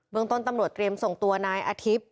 เมืองต้นตำรวจเตรียมส่งตัวนายอาทิตย์